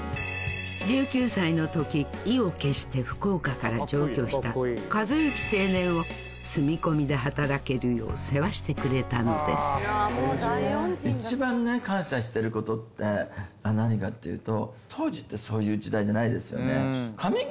１９歳の時意を決して福岡から上京した一幸青年を住み込みで働けるよう世話してくれたのですって何かっていうと。